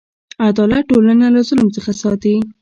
عدالت ټولنه له ظلم څخه ساتي.